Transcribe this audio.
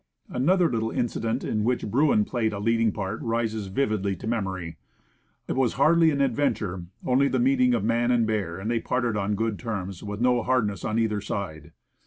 Another little incident, in which bruin played a leading part, rises vividly to memory. It was hardly an adventure; only the meeting of man and bear, and they parted on good terms, with no hardness on either side.